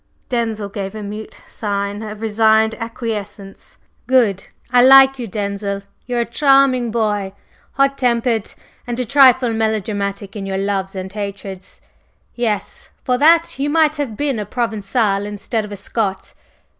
Denzil gave a mute sign of resigned acquiescence. "Good! I like you, Denzil; you are a charming boy! Hot tempered and a trifle melodramatic in your loves and hatreds, yes! for that you might have been a Provençal instead of a Scot.